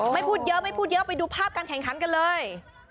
ไม่พูดเยอะไม่พูดเยอะไปดูภาพการแข่งขันกันเลย